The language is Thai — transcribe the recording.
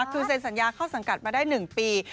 คือเซ็นสัญญาเข้าสังกัดมาได้๑ปี